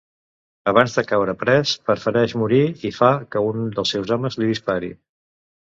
Abans de caure pres, prefereix morir i fa que un dels seus homes li dispare.